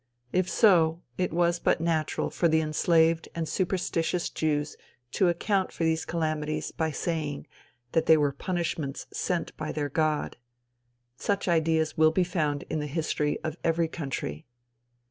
If so, it was but natural for the enslaved and superstitious Jews to account for these calamities by saying that they were punishments sent by their God. Such ideas will be found in the history of every country.